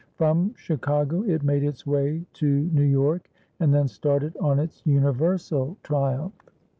From Chicago it made its way to New York, and then started on its universal triumph.